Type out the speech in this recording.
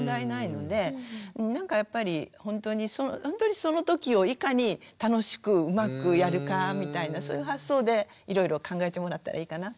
なんかやっぱりほんとにその時をいかに楽しくうまくやるかみたいなそういう発想でいろいろ考えてもらったらいいかなと思います。